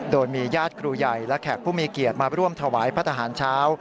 โดยมีญาติครูใหญ่และแขกผู้มีเกียรติมาร่วมถวายพระทหารเช้า